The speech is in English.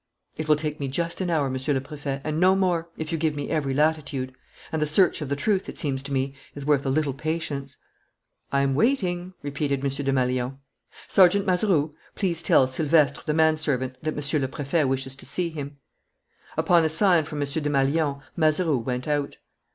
"It will take me just an hour, Monsieur le Préfet, and no more, if you give me every latitude. And the search of the truth, it seems to me, is worth a little patience." "I'm waiting," repeated M. Desmalions. "Sergeant Mazeroux, please tell Silvestre, the manservant, that Monsieur le Préfet wishes to see him." Upon a sign from M. Desmalions, Mazeroux went out.